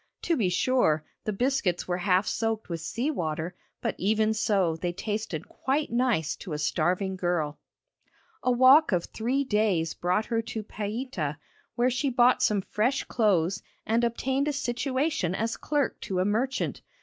To be sure, the biscuits were half soaked with sea water, but even so they tasted quite nice to a starving girl. A walk of three days brought her to Paita, where she bought some fresh clothes and obtained a situation as clerk to a merchant.